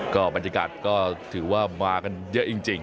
ก็บรรยากาศก็ถือว่ามากันเยอะจริง